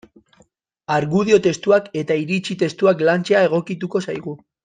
Argudio testuak eta iritzi testuak lantzea egokituko zaigu.